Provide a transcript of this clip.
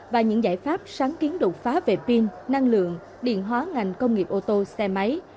và những giải pháp sáng kiến đột phá về pin năng lượng điện hóa ngành công nghiệp ô tô xe máy